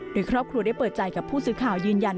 โดยครอบครัวได้เปิดใจกับผู้สื่อข่าวยืนยัน